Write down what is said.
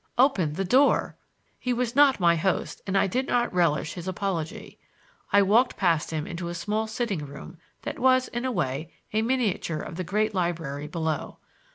"Open the door!" He was not my host and I did not relish his apology. I walked past him into a small sitting room that was, in a way, a miniature of the great library below.